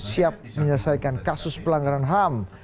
siap menyelesaikan kasus pelanggaran ham